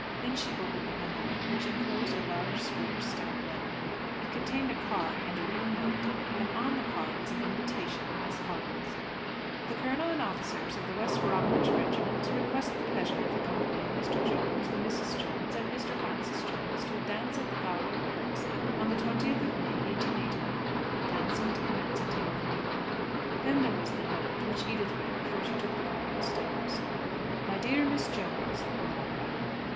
Then she opened the envelope, which enclosed a large square stout letter. It contained a card and a written note, and on the card was an invitation, as follows: "The Colonel and Officers of the West Bromwich Regiment request the pleasure of the company of Mr. Jones, the Misses Jones, and Mr. Francis Jones to a dance at the Galway Barracks, on the 20th of May, 1881. Dancing to commence at ten o'clock." Then there was the note, which Edith read before she took the card upstairs. "My dear Miss Jones," the letter began.